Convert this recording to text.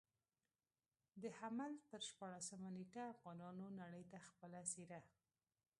د حمل پر شپاړلسمه نېټه افغانانو نړۍ ته خپله څېره.